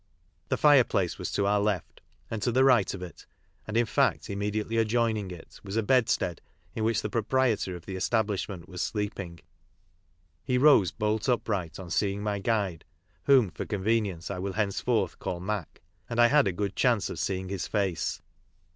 The fire place was to our left, and to the right of it, and in fact imme diately adjoining it, was a bedstead in which the pro prietor of the establishment was sleeping. He rose bolt upright on seeing my guide (whom, fo^ convenience, 1 will henceforth call Mac), and I had a good chance of seeing his face.